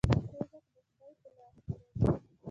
رزق د خدای په لاس کې دی